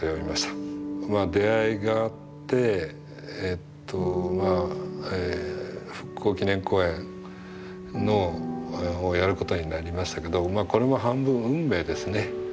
まあ出会いがあって復興祈念公園をやることになりましたけどこれも半分運命ですね。